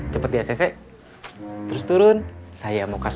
nanti saya ketemu bang edi bahas anggaran